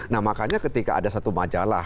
nah makanya ketika ada satu majalah